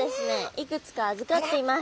いくつか預かっています。